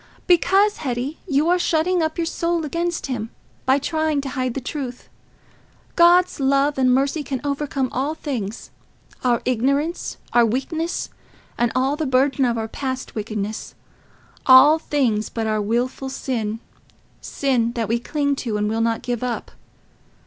"Because, Hetty, you are shutting up your soul against him, by trying to hide the truth. God's love and mercy can overcome all things—our ignorance, and weakness, and all the burden of our past wickedness—all things but our wilful sin, sin that we cling to, and will not give up.